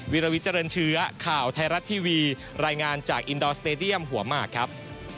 วิลวิเจริญเชื้อข่าวไทยรัฐทีวีรายงานจากอินดอร์สเตดียมหัวหมากครับ